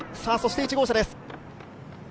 そして１号車です。